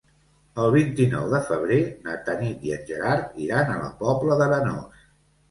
El vint-i-nou de febrer na Tanit i en Gerard iran a la Pobla d'Arenós.